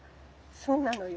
そうなのよ。